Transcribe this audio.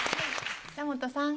久本さん